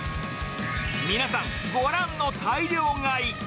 皆さん、ご覧の大量買い。